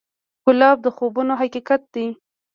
ګلاب د خوبونو حقیقت دی.